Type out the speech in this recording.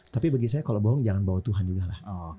tapi bagi saya kalau bohong jangan bawa tuhan juga lah